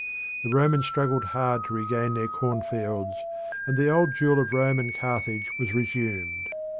The Romans struggled hard to regain their cornfields, and the old duel of Rome and Carthage was resumed.